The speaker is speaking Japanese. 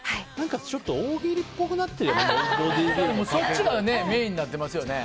ちょっと大喜利っぽくそっちがメインになってますよね。